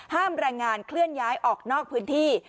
แรงงานเคลื่อนย้ายออกนอกพื้นที่